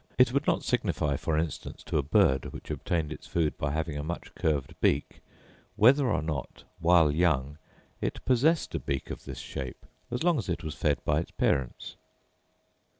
It would not signify, for instance, to a bird which obtained its food by having a much curved beak whether or not while young it possessed a beak of this shape, as long as it was fed by its parents.